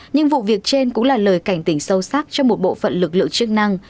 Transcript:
nhưng vụ việc trên cũng là lời cảnh tỉnh sâu sắc cho một bộ phận lực lượng chức năng